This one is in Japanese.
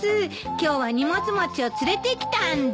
今日は荷物持ちを連れて来たんで。